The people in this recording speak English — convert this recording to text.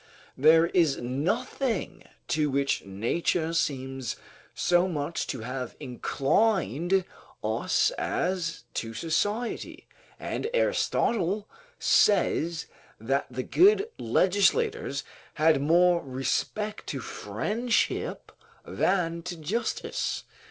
There is nothing to which nature seems so much to have inclined us, as to society; and Aristotle , says that the good legislators had more respect to friendship than to justice.